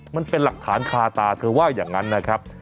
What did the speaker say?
มันเป็นหลักฐานคาตาเธอว่าอย่างนั้นนะครับ